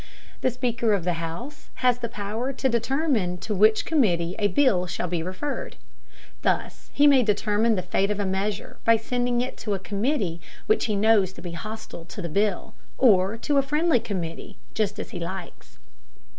The Speaker of the House has the power to determine to which committee a bill shall be referred. Thus he may determine the fate of a measure by sending it to a committee which he knows to be hostile to the bill, or to a friendly committee, just as he likes.